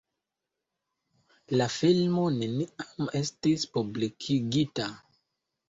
La filmo neniam estis publikigita.